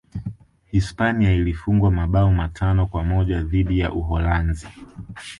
hispania ilifungwa mabao matano kwa moja dhidi ya uholanzi